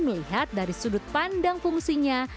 melihat dari sudut pandang fungsinya